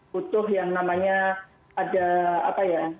butuh yang namanya ada apa ya